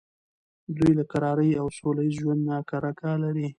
دوی له کرارۍ او سوله ایز ژوند نه کرکه لري.